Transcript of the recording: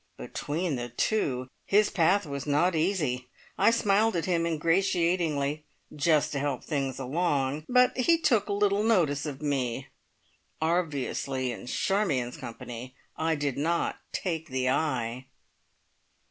Between the two his path was not easy! I smiled at him ingratiatingly, just to help things along, but he took little notice of me. Obviously, in Charmion's company I did not "take the eye!"